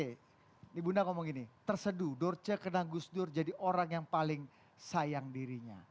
ini bunda ngomong gini terseduh dorce kenal gus dur jadi orang yang paling sayang dirinya